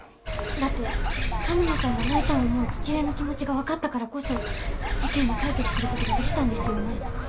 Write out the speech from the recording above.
だって田沼さんが麻衣さんを思う父親の気持ちがわかったからこそ事件を解決する事ができたんですよね？